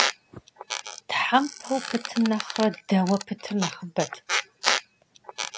Тхьэмпэу пытым нэхърэ дэуэ пытыр нэхъыбэт.